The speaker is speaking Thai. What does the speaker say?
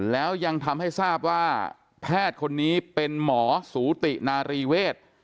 แล้วยังทำให้ทราบว่าแพทย์คนนี้เป็นหมอสูตินารีเวศ